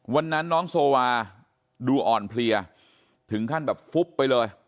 วันนั้นน้องโซวาดูอ่อนเพลียถึงขั้นแบบฟุบไปเลย